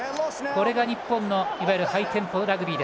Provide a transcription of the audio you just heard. これが日本のいわゆるハイテンポのラグビー。